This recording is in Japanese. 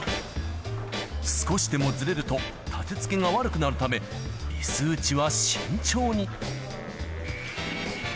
少しでもずれると、立てつけが悪くなるため、ビス打ちは慎重に。